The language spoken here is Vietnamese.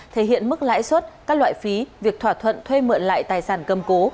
thể hiện mức lãi suất các loại phí việc thỏa thuận thuê mượn lại tài sản cầm cố